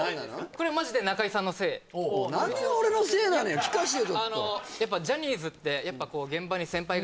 これはマジで中居さんのせい何が俺のせいなのよ聞かしてよ